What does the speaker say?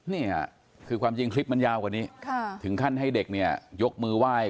นี่ค่ะคือความจริงคลิปมันยาวกว่านี้ถึงขั้นให้เด็กเนี่ยยกมือไหว้